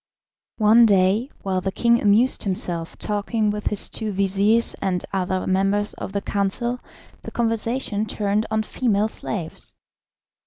One day, while the king amused himself talking with his two vizirs and other members of the council, the conversation turned on female slaves.